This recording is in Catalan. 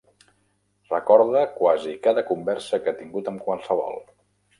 Recorda quasi cada conversa que ha tingut amb qualsevol.